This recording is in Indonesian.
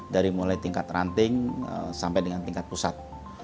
dari mulai tingkat ranting sampai dengan tingkat pusat